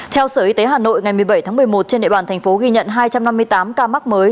theo sở y tế hà nội ngày một mươi bảy tháng một mươi một trên địa bàn thành phố ghi nhận hai trăm năm mươi tám ca mắc mới